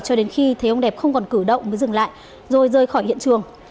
cho đến khi thấy ông đẹp không còn cử động mới dừng lại rồi rời khỏi hiện trường